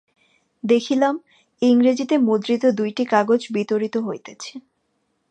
দেখিলাম, ইংরেজীতে মুদ্রিত দুইটি কাগজ বিতরিত হইতেছে।